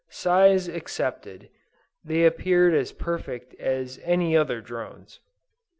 Size excepted, they appeared as perfect as any other drones.